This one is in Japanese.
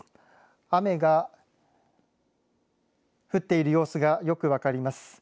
雨が降っている様子がよく分かります。